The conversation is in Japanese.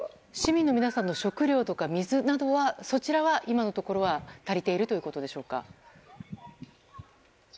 市民の皆さんの食料や水などはそちらは今のところは足りているということでしょうか。